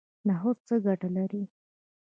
نخود څه ګټه لري؟